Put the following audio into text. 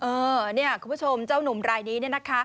เออเนี่ยคุณผู้ชมเจ้านุ่มรายนี้เนี่ยนะคะ